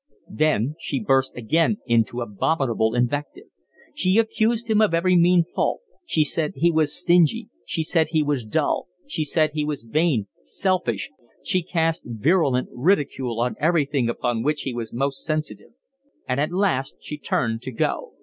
Then she burst again into abominable invective. She accused him of every mean fault; she said he was stingy, she said he was dull, she said he was vain, selfish; she cast virulent ridicule on everything upon which he was most sensitive. And at last she turned to go.